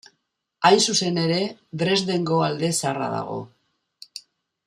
Hain zuzen ere, Dresdengo Alde Zaharra dago.